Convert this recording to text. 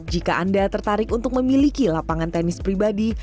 jika anda tertarik untuk memiliki lapangan tenis pribadi